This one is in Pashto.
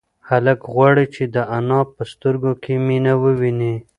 هلک غواړي چې د انا په سترگو کې مینه وویني.